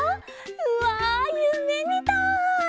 うわゆめみたい！